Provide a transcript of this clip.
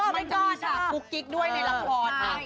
มันจะมีสักกุ๊กกิ๊กด้วยในละคร